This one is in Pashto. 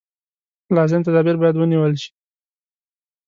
لازم تدابیر باید ونېول شي.